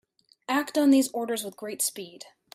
Act on these orders with great speed.